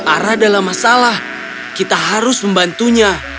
ara dalam masalah kita harus membantunya